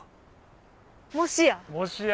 もしや。